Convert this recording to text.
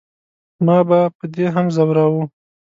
ما به په دې هم زوراوه.